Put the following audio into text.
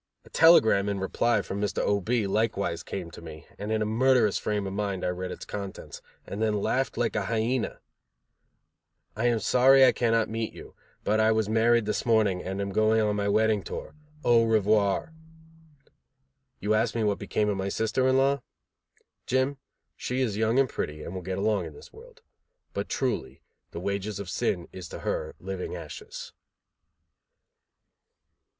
A telegram in reply from Mr. O. B., likewise came to me, and in a murderous frame of mind, I read its contents, and then laughed like a hyena: 'I am sorry I cannot meet you, but I was married this morning, and am going on my wedding tour. Au Revoir.' You ask me what became of my sister in law? Jim, she is young and pretty, and will get along in this world. But, truly, the wages of sin is to her Living Ashes."